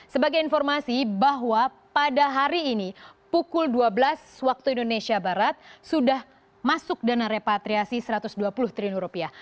sebagai informasi bahwa pada hari ini pukul dua belas waktu indonesia barat sudah masuk dana repatriasi satu ratus dua puluh triliun rupiah